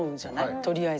とりあえず。